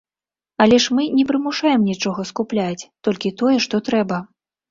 Але мы ж не прымушаем нічога скупляць, толькі тое, што трэба.